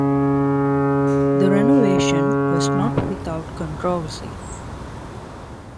The renovation was not without controversy.